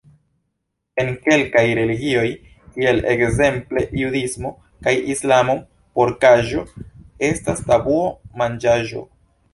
En kelkaj religioj, kiel ekzemple judismo kaj Islamo, porkaĵo estas tabuo-manĝaĵo.